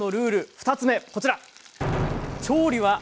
２つ目こちら！